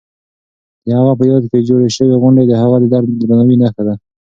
د هغه په یاد کې جوړې شوې غونډې د هغه د درناوي نښه ده.